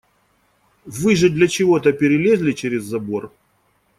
Вы же для чего-то перелезли через забор.